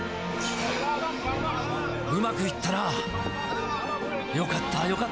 うまくいったな。